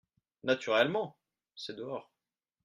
Naturellement ! c’est dehors.